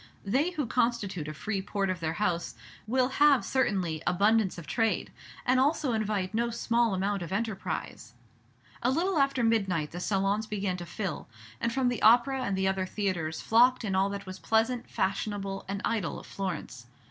They who constitute a free port of their house will have certainly abundance of trade, and also invite no small amount of enterprise. A little after midnight the salons began to fill, and from the Opera and the other theatres flocked in all that was pleasant, fashionable, and idle of Florence.